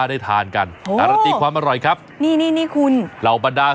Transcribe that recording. ได้ทานกันการันตีความอร่อยครับนี่นี่คุณเหล่าบรรดา